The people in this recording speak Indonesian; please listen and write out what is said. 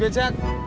buat gue cik